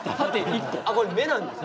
あこれ目なんですか？